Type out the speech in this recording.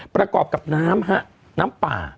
ประกอบกับน้ำฮะน้ำป่า